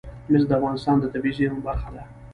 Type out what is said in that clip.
مس د افغانستان د طبیعي زیرمو برخه ده.